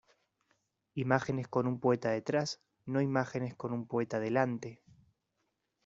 Imágenes con un poeta detrás, no imágenes con un poeta delante.